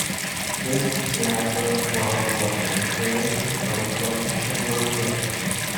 This latter work was the inspiration for the film "Schindler's List".